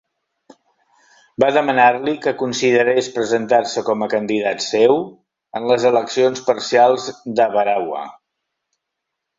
Va demanar-li que considerés presentar-se com a candidat seu en les eleccions parcials d'Awarua.